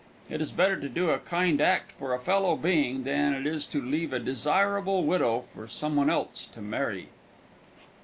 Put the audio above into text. It is better to do a kind act for a fellow being than it is to leave a desirable widow for some one else to marry.